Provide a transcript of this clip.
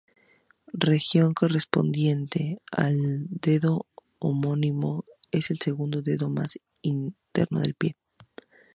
Región correspondiente al dedo homónimo: es el segundo dedo más interno del pie.